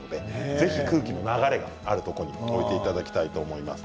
ぜひ空気の流れがあるところに置いていただきたいと思います。